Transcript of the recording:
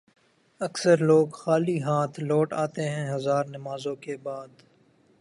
اکثر لوگ خالی ہاتھ لوٹ آتے ہیں ہزار نمازوں کے بعد